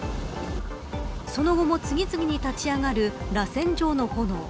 その後も、次々に立ち上がるらせん状の炎。